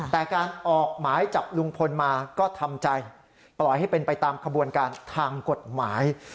แต่การออกหมายจับลุงพลมาก็ทำใจปล่อยให้เป็นไปตามขบวนการทางกฎหมาย